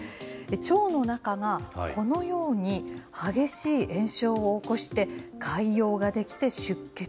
腸の中がこのように激しい炎症を起こして、潰瘍が出来て出血。